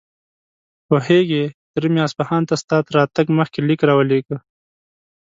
پوهېږې، تره مې اصفهان ته ستا تر راتګ مخکې ليک راولېږه.